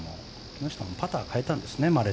木下もパター変えたんですね。